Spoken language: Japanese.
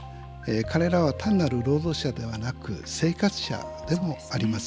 彼らは単なる労働者ではなく生活者でもあります。